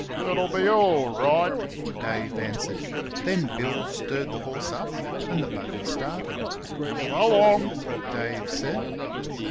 "It'll be orl right," Dave answered; then Bill stirred the horse up, and the buggy started. "So long!" Dave said.